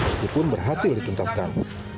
masih pun berhasil dicuntaskan